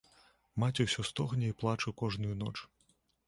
Маці ўсё стогне і плача кожную ноч.